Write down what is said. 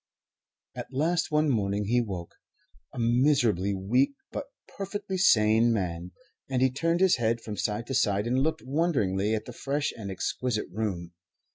At last one morning he woke, a miserably weak but perfectly sane man, and he turned his head from side to side and looked wonderingly at the fresh and exquisite room.